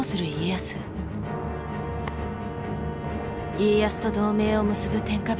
家康と同盟を結ぶ天下人